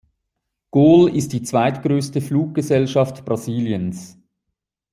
Gol ist die zweitgrößte Fluggesellschaft Brasiliens.